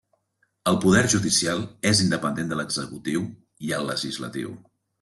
El poder judicial és independent de l'executiu i el legislatiu.